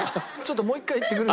もう１回言ってくれる？